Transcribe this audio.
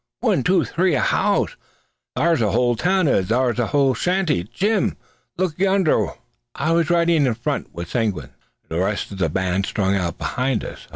One, two, three! A house? Thar's a whole town, if thar's a single shanty. Gee! Jim, look yonder! Wagh!" I was riding in front with Seguin, the rest of the band strung out behind us.